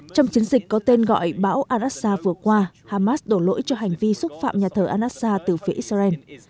trong chiến dịch có tên gọi bão al azhar vừa qua hamas đổ lỗi cho hành vi xúc phạm nhà thờ al azhar từ phía israel